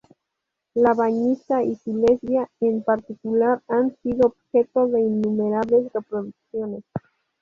La Bañista y su Lesbia, en particular, han sido objeto de innumerables reproducciones.